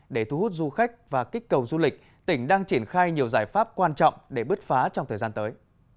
để thu hút du khách và kích cầu du lịch tỉnh đang triển khai nhiều giải pháp quan trọng để bứt phá trong thời gian tới